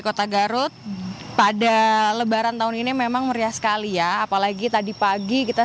kota garut pada lebaran tahun ini memang meriah sekali ya apalagi tadi pagi kita